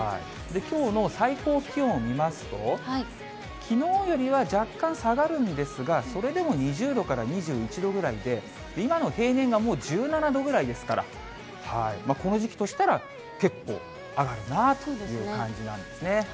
きょうの最高気温を見ますと、きのうよりは若干下がるんですが、それでも２０度から２１度ぐらいで、今の平年がもう１７度ぐらいですから、この時期としたら、結構上がるなという感じなんですね。